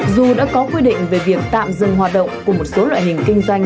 dù đã có quy định về việc tạm dừng hoạt động của một số loại hình kinh doanh